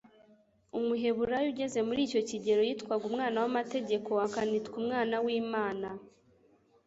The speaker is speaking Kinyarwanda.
Umuheburayo ugeze muri icyo kigero, yitwaga umwana w'amategeko, akanitwa umwana w'Imana.